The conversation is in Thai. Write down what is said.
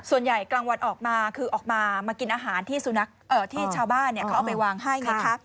ส่วนใหญ่กลางวันออกมาคือออกมามากินอาหารที่ชาวบ้านเขาเอาไปวางให้